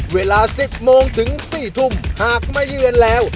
เวลา๑๐โมงถึง๔ทุ่มหากมาเยือนแล้ว